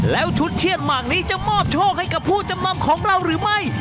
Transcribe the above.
แล้วชุดเชียดหมากนี้จะมอบโชคให้กับผู้จำนำของเราหรือไม่